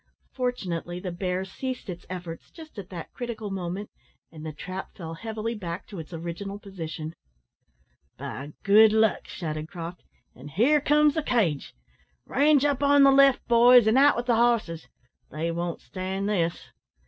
Fortunately, the bear ceased its efforts just at that critical moment, and the trap fell heavily back to its original position. "By good luck!" shouted Croft; "an' here comes the cage. Range up on the left, boys, and out with the hosses, they won't stand this."